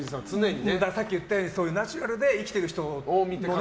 さっき言ったようにナチュラルで生きてる人を。